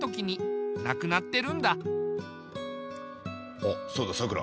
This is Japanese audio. あっそうださくら。